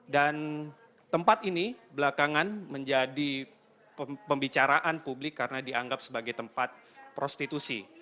dan tempat ini belakangan menjadi pembicaraan publik karena dianggap sebagai tempat prostitusi